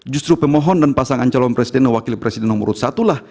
justru pemohon dan pasangan calon presiden dan wakil presiden nomor satu lah